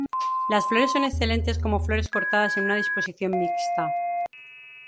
Las flores son excelentes como flores cortadas en una disposición mixta.